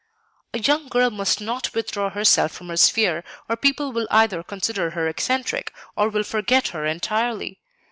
"A young girl must not withdraw herself from her sphere, or people will either consider her eccentric or will forget her entirely.